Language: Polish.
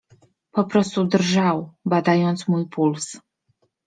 Po prostu drżał, badając mój puls.